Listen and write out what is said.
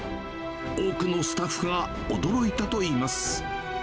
多くのスタッフが驚いたといいます。